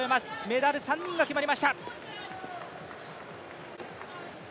メダル３人が決まりました。